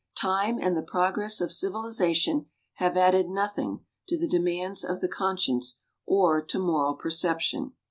Time and the progress of civilization have added nothing to the demands of the conscience or to moral perception.